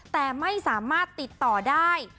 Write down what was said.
แต่ไม่สามารถติดต่อได้